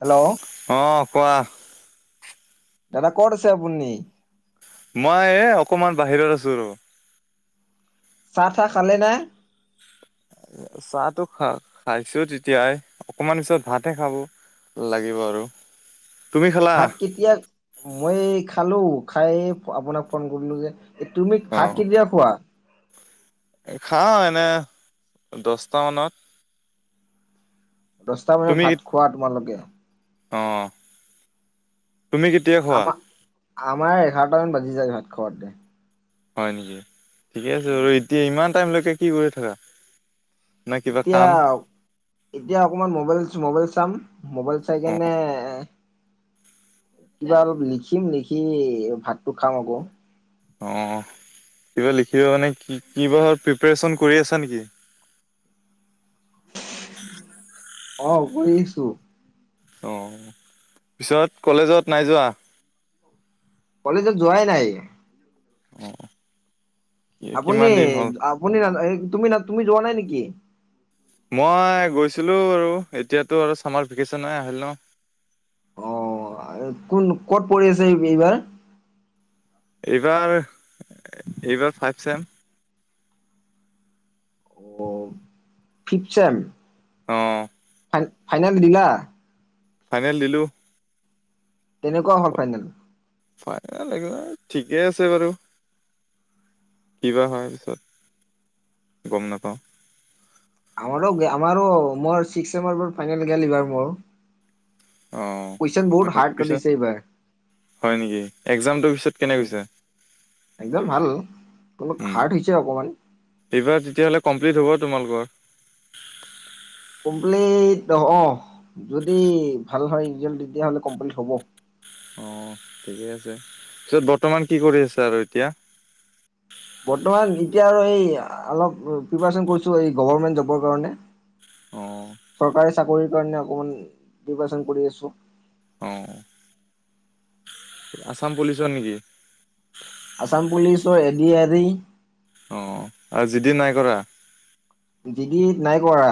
Hello অ', কোৱা দাদা কত আছে আপুনি? মই এ অকমান বাহিৰত আছো ৰ'। চাহ তাহ খালে নে? চাহটো খ-খাইছো তেতিয়াই অকমান পিছত ভাতহে খাব লাগিব আৰু। তুমি খালা ভাত কেতিয়া মই খালোঁ খাই আপোনাক ফোন কৰিলো যে তুমি অ ভাত কেতিয়া খোৱা? খাওঁ এনে দহটামানত। দহটা বজাত তুমি ভাত খোৱা তোমালোকে। অ', তুমি কে আমাৰ আমাৰ এঘাৰটামান বাজি যায় ভাত খোৱাতে। হয় নেকি, ঠিকে আছে, বাৰু এতিয়া ইমান টাইমলৈকে কি কৰি থকা? এতিয়া এতিয়া অকণমান মোবাইল ম'বাইল চাম। মোবাইল চাই অ কিনে এ কিবা অলপ লিখিম লিখি ভাতটো খাম আকৌ। অ', কিবা লিখিব মানে কি কিবা প্ৰিপেৰেচন কৰি আছা নেকি? অ', কৰি আছো। অ', পিছত কলেজত নাই যোৱা। কলেজত যোৱাই নাই। অ'। আপুনি কিমান দিন হ'ল আপুনি তুমি তুমি যোৱা নাই নেকি? মই গৈছিলোঁ আৰু, এতিয়াতো আৰু ছামাৰ ভেকেশ্যন আহিল ন'। অ' কোন ক'ত পঢ়ি আছে এইবাৰ? এইবাৰ এইবাৰ ফাইভ চেম। অ', ফিফ্‌ট চেম। অ'। ফাই-ফাইনেল দিলা? ফাইনেল দিলো। কেনেকুৱা হ'ল ফাইনেল? ফাইনেল [unintelligible] ঠিকেই আছে বাৰু কিবা হয় পিছত? গম নাপাওঁ। আমাৰো আমাৰো মোৰ ছিক্স ফাইনেল গেল এইবাৰ মোৰ। অ কুৱেশ্যন বহুত হয় হাৰ্ড পিছত কাটিছে এইবাৰ। হয় নেকি, এক্জামটোৰ পিছত কেনে কৈছ [unintelligible] একদম ভাল, অলপ উম হাৰ্ড হৈছে অকণমান। এইবাৰ তেতিয়াহ'লে কমপ্লিট হ'ব তোমালোকৰ। কমপ্লিট অ', যদি ভাল হয় ৰিজাল্ট তেতিয়াহ'লে কমপ্লিট হ'ব। অ', ঠিকে আছে পিছত বৰ্তমান কি কৰি আছে আৰু এতিয়া? বৰ্তমান এতিয়া আৰু এই অলপ প্ৰিপেৰেচন কৰিছোঁ এই গৰ্ভমেণ্ট জবৰ কাৰণে। অ চৰকাৰী চাকৰিৰ কাৰণে অকমান প্ৰিপেৰেচন কৰি আছোঁ। অ'। আছাম পুলিচৰ নেকি? আসাম পুলিচৰ, এ ডি আৰি। অ', আৰু জিদি নাই কৰা। জিদি নাই কৰা।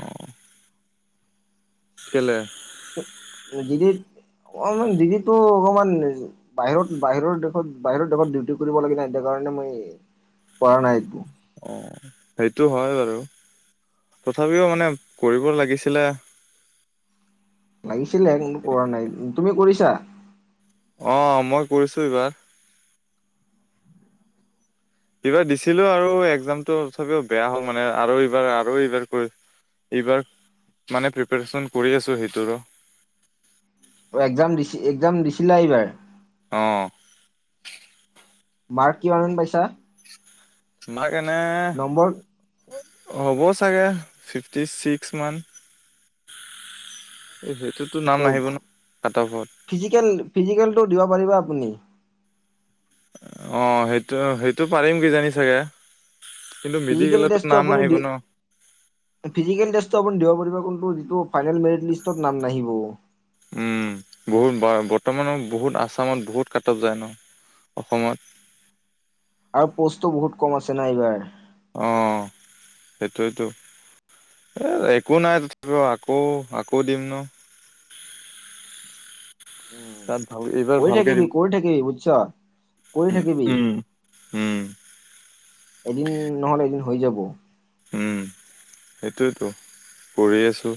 অ কেলে? জিদিত অমান জিদিতো অকমান বাহিৰত বাহিৰৰ দেশত বাহিৰৰ দেশত ডিউটি কৰিব লাগে নাই এটো কাৰণে মই পৰা নাই একো। অ', সেইটো হয় বাৰু তথাপিও মানে কৰিব লাগিছিলে। লাগিছিলে, কিন্তু কৰা নাই। তুমি কৰিছা? অ', মই কৰিছোঁ এইবাৰ। এইবাৰ দিছিলো আৰু এক্জামতটো তথাপিও বেয়া হ'ল মানে, আৰু এইবাৰ আৰু এইবাৰ কৰি এইবাৰ মানে প্ৰিপাৰচন কৰি আছো সেইটোৰো অ', একজাম দি একজাম দিছিলা এইবাৰ অ' মাৰ্ক কিমান মান পাইছা মাৰ্ক এনে নম্বৰ হ'ব চাগে ফিফটি ছিক্স মান এই সেইটোতো ত নাম নাহিব নহয় কাটআফত ফিজিকেল ফিজিকেলটো দিব পাৰিবা আপুনি অ', সেইটো সেইটো পাৰিম কিজানি চাগে কিন্তু ফিজিকেল মেডিকেলতো টেষ্টটো নাম আপুনি নাহিব দি ন ফিজিকেল টেষ্টটো আপুনি দিব পাৰিব কিন্তু যিটো ফাইনেল মেৰিট লিষ্টত নাম নাহিব। বহুত বৰ্তমানৰ বহুত আছামত বহুত কাটপ যায় ন অসমত আৰু প'ষ্টো বহুত কম আছে না এইবাৰ অ', সেইটয়েইতো এ একো নাই তথাপিও আকৌ আকৌ দিম ন উম, তাত ভাল এইবাৰ কৰি ভালকে থাকিবি দিব কৰি থাকিবি বুজছ কৰি থাকিবি উম উম এদিন নহলে এদিন হৈ যাব। সেইটোৱেইতো কৰি আছো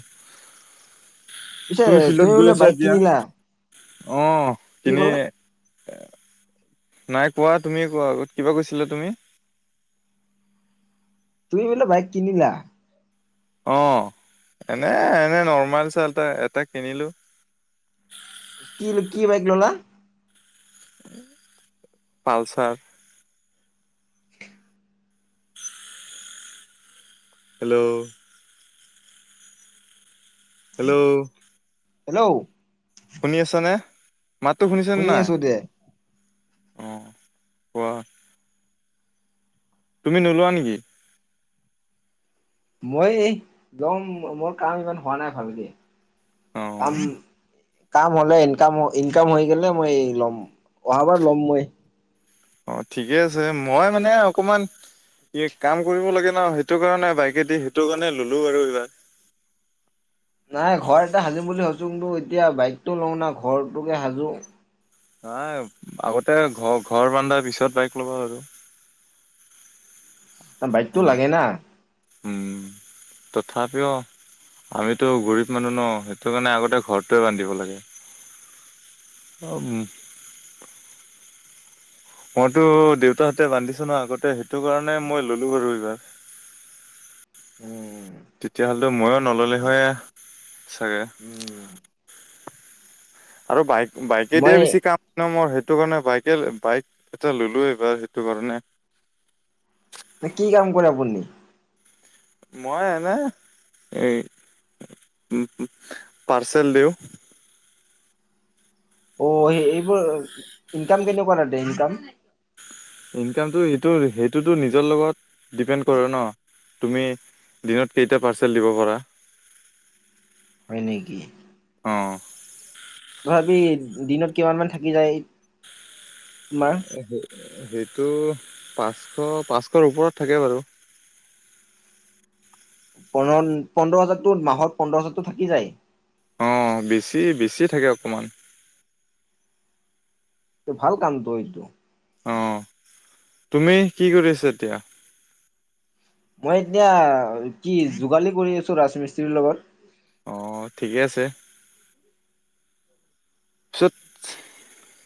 পিছে তুমি তুমি ফিল্ডত বোলে গৈ আছা বাইক কিনিলা এতিয়া আহ কি এনে ক'লা? এ নাই কোৱা তুমি কোৱা কিবা কৈছিলা তুমি তুমি বোলা বাইক কিনিলা অ', এনে এনে নৰ্মাল চালটা এটা কিনিলো কি কি বাইক ল'লা পালচাৰ হেল্ল' হেল্ল' হেল্ল' শুনি আছ নে মাতটো শুনিছেনে শুনি নাই আছো দে অ', কোৱা তুমি নোলোৱা নেকি? মই যম মোৰ কাম ইমান হোৱা নাই ভালকে অ কাম কাম হলে ইনকাম ইনকাম হৈ গলে মই ল'ম অহাবাৰ ল'ম মই অ', ঠিকে আছে মই মানে অকণমান ই কাম কৰিব লাগে ন সেইটো কাৰণে বাইকেদি সেইটো কাৰণে ল'লো আৰু এইবাৰ নাই ঘৰ এটা সাজিম বুলি ভাবছোঁ কিন্তু এতিয়া বাইকটো লওঁ না ঘৰটোকে সাজোঁ নাই আগতে ঘৰ ঘৰ বানধা পিছত বাইক ল'ব আৰু বাইকটো লাগে না উম তথাপিও আমিতো গৰীব মানুহ ন সেইটো কাৰণে আগতে ঘৰটোৱে বান্ধিব লাগে অ', মইতো দেউতাহঁতে বান্ধিছো নহ আগতে সেইটো কাৰণে মই ললো বাৰু এইবাৰ [inaudible] উম তেতিয়া হ'লেতো মই নললে হয় চাগে। [inaudible] আৰু বাইক বাইকে দিয়ে মই বেছি কাম মই সেইটো কাৰণে বাইকে বাইক এটা ললো এইবাৰ সেইটো কাৰণে কি কাম কৰে আপুনি? মই এনে এই পাৰ্চেল দিওঁ অ', এইবোৰ ইনকাম কেনেকুৱা তাতে ইনকাম? ইনকামটো এটো, সেইটোতো নিজৰ লগত, ডিপেণ্ড কৰে ন। তুমি দিনত কেইটা পাৰ্চেল দিব পাৰা। হয় নেকি? অ'। তথাপি দিনত কিমানমান থাকি যায় তোমাৰ? সেইটো পাঁচশ পাঁচশৰ ওপৰত থাকে বাৰু। পোন্ধ পোন্ধৰ হাজাৰতো মাহত পোন্ধৰ হাজাৰতো থাকি যায়। অ' বেছি বেছি থাকে অকণমান। ভাল কাম টো এইটো অ' তুমি কি কৰিছা এতিয়া? মই এতিয়া কি যোগালী কৰি আছো ৰাজমিস্ত্ৰীৰ লগত। অ' ঠিকে আছে। পিছত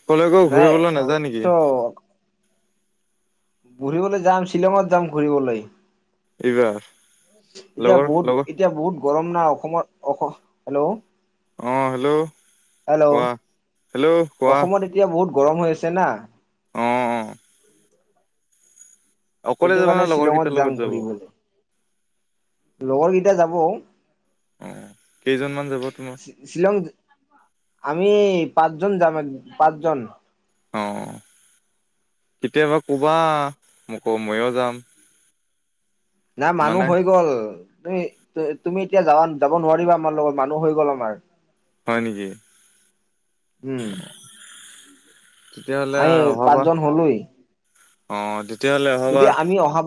কলৈ গৈ নাই ঘূৰিবলৈ নাযায় কিছ নেকি? ঘুৰিবলৈ যাম শ্বিলঙত যাম ঘুৰিবলৈ। এইবাৰ এতিয়া লগৰ বহুত লগৰ এতিয়া বহুত গৰম নাই অসমত। অ' হেল্ল'। অ হেল্ল' হেল্ল' কোৱা হেল্ল' কোৱা অসমত এতিয়া বহুত গৰম হৈ আছে না অ', অ'। অকলে এইটো যাবা না কাৰণে লগৰ কেইটাৰ শ্বিলঙত যাম লগত যাব ঘূৰিবলৈ, লগৰকেইটা যাব। অ' কেইজনমান যাব তোমাৰ শ্বিলং আমি পাঁচজন যাম এক পাঁচজন। অ' কেতিয়াবা ক'বা মোকো ময়ো যাম। নাই মানে মানুহ হৈ গ'ল তুমি তুমি এতিয়া যা যাব নোৱাৰিবা আমাৰ লগত মানুহ হৈ গ'ল আমাৰ। হয় নেকি? উম। তেতিয়াহ'লে আমি অহাবাৰ পাঁচজন হলো। অ' তেতিয়াহ'লে যদি অহাবাৰ আমি অহা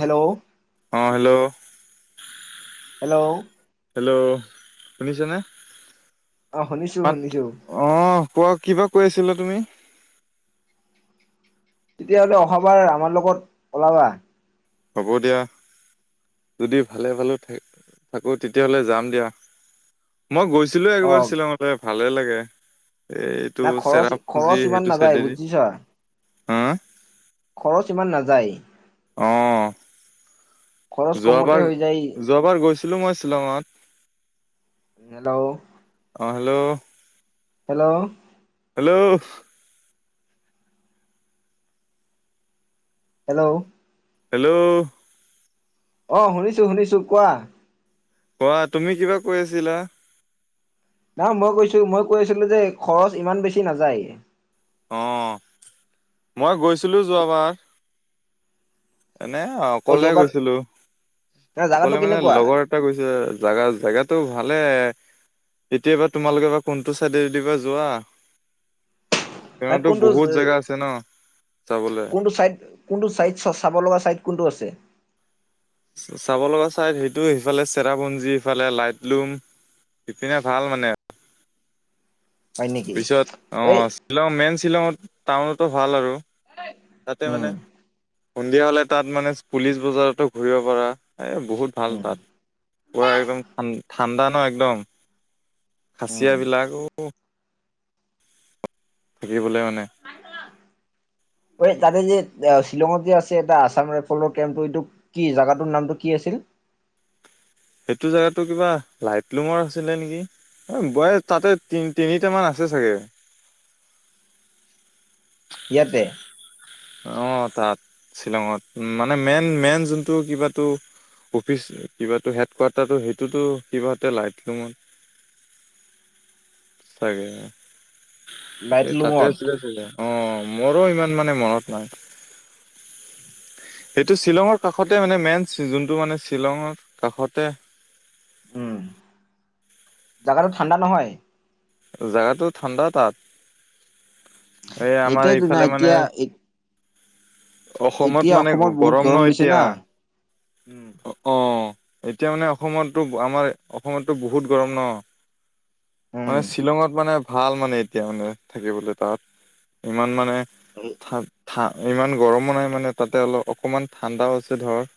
হেল্ল' অ' হেল্ল'। হেল্ল'। হেল্ল' শুনিছানে? অ' শুনিছো শুনিছো। অ' কোৱা কিবা কৈ আছিলা তুমি? তেতিয়াহ'লে অহাবাৰ আমাৰ লগত ওলাবা? হ'ব দিয়া। যদি ভালে ভালে থাকো তেতিয়াহ'লে যাম দিয়া। মই গৈছিলো অ একবাৰ শ্বিলঙলৈ ভালে লাগে। এইটো না খৰচ চেৰাজি খৰচ ইমান সেইটো নাযায় চাইডেদি বুজিছা হা খৰচ ইমান নাযায়। অ'। খৰচ কমতে যোৱাবাৰ হৈ যায় যোৱাবাৰ গৈছিলো মই শ্বিলঙত। হেল্ল'। অ' hello. Hello. Hello. Hello. Hello. অ' শুনিছো শুনিছো কোৱা? কোৱা তুমি কিবা কৈ আছিলা? নহয় মই কৈছো, মই কৈ আছিলো যে খৰচ ইমান বেছি নাযায়। অ, মই গৈছিলো যোৱাবাৰ। এনে অ অকলে যোৱাবাৰ গৈছিলো, জাগাটো অকলে মানে কেনেকুৱা লগৰ লো, জেগা জেগাটো ভালে। এতিয়া বা তোমালোকে বা কোনটো চাইডেদি বা যোৱা। তেওঁতো কোনটো, বহুত জেগা আছে ন চাবলে কোনটো চাইড? কোনটো ছাইড চ, চাব লগা ছাইড কোনটো আছে। চাব লগা চাইড সেইটো সিফালে চেৰাপঞ্জী, সিফালে লাইটলুম। ইপিনে ভাল মানে। হয় নেকি পিছত অ, এই শ্বিলং মেইন শ্বিলংত টাউনতো ভাল আৰু। তাতে উম মানে। সন্ধিয়া হ'লে তাত মানে পুলিচ বজাৰতো ঘূৰিব পাৰা, এই বহুত ভাল উম তাত। পুৰা একদম ঠাণ্ডা ন, একদম উম খাচিয়াবিলাকো থাকিবলৈ মানে। এই তাতে যে শ্বিলঙত যে আছে এটা আছাম ৰাইফলৰ কেম্পটো এইটো কি জেগা টোৰ নামটো কি আছিল? সেইটো জোগাতো কিবা লাইট লুঙৰ, আছিলে নেকি? অ, বয়স তাতে তি তিনিটা মান আছে চাগে। ইয়াতে। অ, তাত শ্বিলঙত মানে মেইন মেইন যোনটো কিবাতো। অফিচ কিবো হেড কোৱাৰ্টাৰটো সেইটোতো কিবা লাইটমত। [unintelligible] ছাগে। এই লাইটলুঙত তাতেছিল আছিলে অ, মোৰো ইমান মানে মনত [unintelligible] সেইটো শ্বিলঙৰ কাষতে মানে মেইন যোনটো মানে শ্বিলঙৰ কাষতে। উম, জোগাটো ঠাণ্ডা নহয়। জোগাতো ঠাণ্ডা তাত। এই আমাৰ এটাইতো নাই এইফালে মানে এতিয়া, অসমত এতিয়া মানে অসমত বহুত ন গৰম দিছে না, এতিয়া উম, অ, এতিয়া মানে অসমতো আমাৰ অসমততো বহুত গৰম ন। উম মানে শ্বিলঙত মানে ভাল মানে এতিয়া মানে থাকিবলৈ তাত। ইমান মানে। থা, ইমান গৰমো নাই মানে তাতে অলপ অকণমান ঠাণ্ডাও আ, হৈছে ধৰ।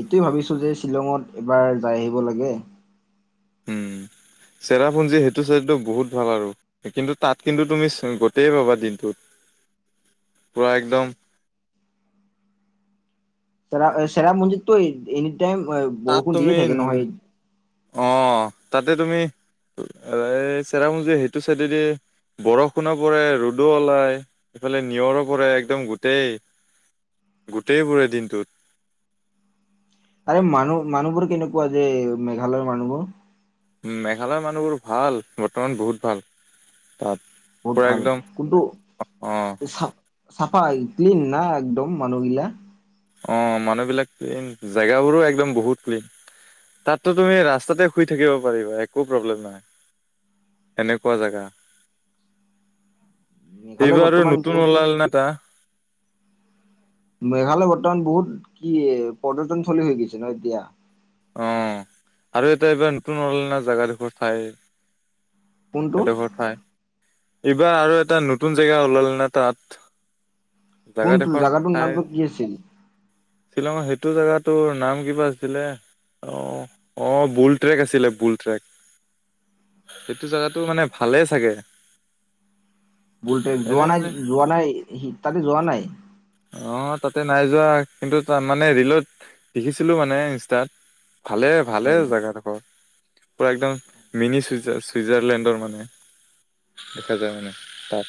এইটোৱে ভাবিছো যে শ্বিলঙত এইবাৰ যাই আহিব লাগে। [unintelligible] চেৰাপুঞ্জীৰ সেইটো চেইদ বহুত ভাল আৰু। কিন্তু তাত কিন্তু তুমি গোটেই পাবা দিনটোত, পুৰা একদম। চেৰাপুঞ্জীত টো এনিটাইম তাত বৰষুণ দিয়ে তুমি থাকে নহয়। অ, তাতে তুমি চেৰাপুঞ্জীৰ সেইটো চাইডদি বৰষুণো পৰে ৰ'দো ওলাই ইফালে নিয়ৰো পৰে একদম গোটেই। গোটেইবোৰে দিনটোত। আৰু মানুহ মানুহবোৰ কেনেকুৱা যে মেঘালয়ৰ মানুহবোৰ। উম, মেঘালয়ৰ মানুহবোৰ ভাল বৰ্তমান বহুত ভাল তাত। বহুত পুৰা ভাল একদম কিন্তু অ', চ চাফাই ক্লিন নাই একদম মানুহ গিলা। অ, মানুহবিলাক ক্লিন জেগাবোৰো একদম বহুত ক্লিন। তাতো তুমি ৰাস্তাতে শুই থাকিব পাৰিবা একো প্ৰব্লেম নাই। এনেকুৱা জোগা মেঘালয় এইবাৰ বৰ্তমান নতুন বহুত ওলাল ন, টা মেঘালয় বৰ্তমান বহুত কি পৰ্যটন চলি হৈ গৈছে ন, এতিয়া। অ, আৰু এটা এইবাৰ নতুন অনা জেগাডোখৰ ঠাই। কোনটো এডোখৰ ঠাই এইবাৰ আৰু এটা নতুন জেগা ওলাল নে তাত। কোনটো জেগাডোখৰ জাগাটোৰ ঠাই নামটো কি আছিল? শ্বিলঙৰ সেইটো জেগাটো নাম কিবা আছিলে। অ', অ', বুল ট্ৰেক আছিলে বুল ট্ৰেক সেইটো জোগাত টো মানে ভালে চাগে। বুল ট্ৰেক এনে যোৱা নাই মানে যোৱা নাই ততে যোৱা নাই। অ', তাতে নাই যোৱা কিন্তু ত মানে ৰিলত দেখিছিলো মানে ইনষ্টাত। ভালে ভালে হয় জোগাটো। পুৰা একদম মিনি চুইাৰ চুইজাৰলেণ্ডৰ মানে। দেখা যায় মানে তাত।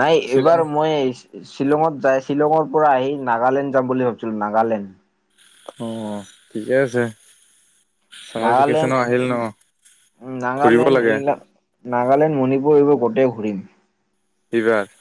নাই শ্বিলং এইবাৰ মই শ্বিলঙত যাই শ্বিলঙৰ পৰা আহি নাগালেণ্ড যাম বুলি ভাবিছিলো নাগালেণ্ড। অ', ঠিকে আছে। চামাৰ নাগালেণ্ড ভেকেচনো আহিল ন ঘুৰিব নাগালেণ্ড লাগে [unintelligible] নাগালেণ্ড মণিপুৰ এইবোৰ গোটেই ঘূৰিম। এইবাৰ?